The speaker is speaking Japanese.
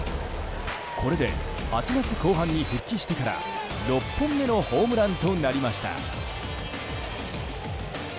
これで、８月後半に復帰してから６本目のホームランとなりました。